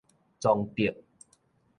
崇德